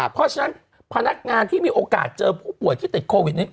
เพราะฉะนั้นพนักงานที่มีโอกาสเจอผู้ป่วยที่ติดโควิดนี้